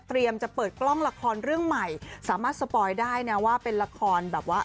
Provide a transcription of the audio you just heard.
จะเปิดกล้องละครเรื่องใหม่สามารถสปอยได้นะว่าเป็นละครแบบว่า